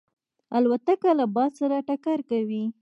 الوتکه له باد سره ټکر کوي.